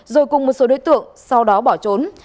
rồi cùng một số đối tượng sau đó bỏ trốn